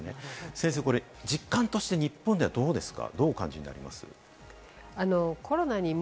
先生、これ実感として日本ではどうですか？